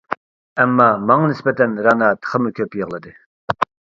ئەمما، ماڭا نىسبەتەن رەنا تېخىمۇ كۆپ يىغلىدى.